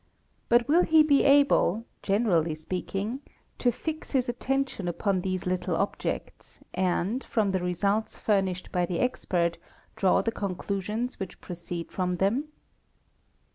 But will he be able, generally speaking, to fix his attention upon these little objects, and, from the results furnished by the expert, draw the conclusions which proceed from them